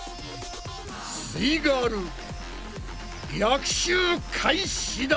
すイガール逆襲開始だ。